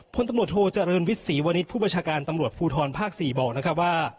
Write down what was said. พลตำรวจโทเจริญวิทย์ศรีวณิชย์ผู้บัญชาการตำรวจภูทรภาค๔บอกนะครับว่า